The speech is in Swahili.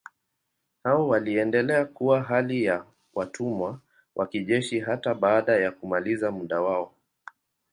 Hao waliendelea kuwa hali ya watumwa wa kijeshi hata baada ya kumaliza muda wao.